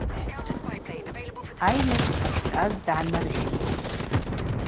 Айныжв дъащтӏаз дгӏаныржьитӏ.